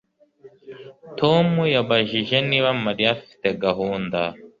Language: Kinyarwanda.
Tom yabajije niba Mariya afite gahunda